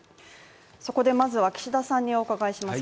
そこでまずは岸田さんにお伺いします。